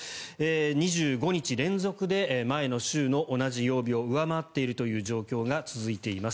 ２５日連続で前の週の同じ曜日を上回っているという状況が続いています。